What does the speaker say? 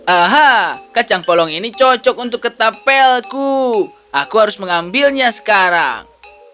aha kacang polong ini cocok untuk ketapelku aku harus mengambilnya sekarang